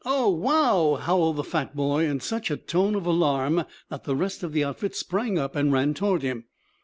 "Oh, wow!" howled the fat boy, in such a tone of alarm that the rest of the outfit sprang up and ran toward him.